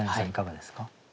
いかがですか？